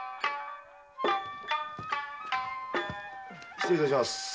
失礼いたします。